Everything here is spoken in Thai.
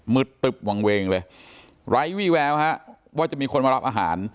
ตึบวางเวงเลยไร้วี่แววฮะว่าจะมีคนมารับอาหาร